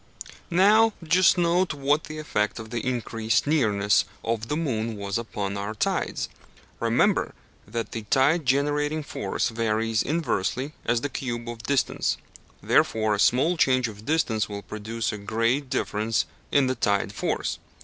Now just note what the effect of the increased nearness of the moon was upon our tides. Remember that the tide generating force varies inversely as the cube of distance, wherefore a small change of distance will produce a great difference in the tide force.